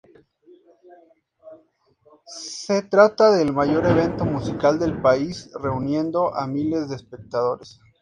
Se trata del mayor evento musical del país, reuniendo a miles de espectadores.